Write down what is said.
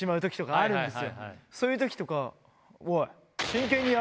そういう時とか。